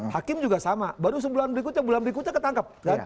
hakim juga sama baru sebulan berikutnya bulan berikutnya ketangkep